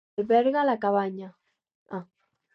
Alberga la cabanya.